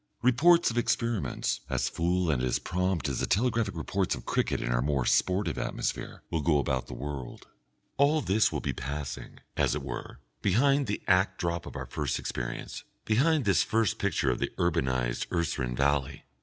Reports of experiments, as full and as prompt as the telegraphic reports of cricket in our more sportive atmosphere, will go about the world. All this will be passing, as it were, behind the act drop of our first experience, behind this first picture of the urbanised Urseren valley.